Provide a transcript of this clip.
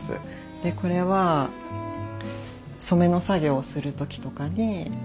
でこれは染めの作業をする時とかに巻いてます。